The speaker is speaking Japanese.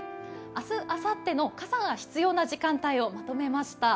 明日、あさっての傘が必要な時間帯をまとめました。